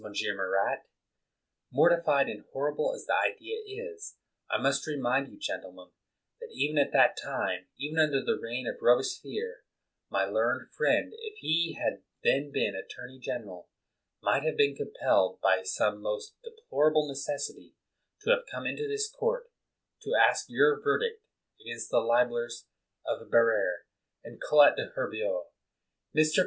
Marat ? Mortifying and horrible as the idea is, I must remind you, gentlemen, that even at that time, even under the reign of Robespierre, my learned friend, if he had then been attorney general, might have been compelled by some most de plorable necessity to have come into this court to ask your verdict against the libelers of Bar ere and Collot d'Herbois. Mr.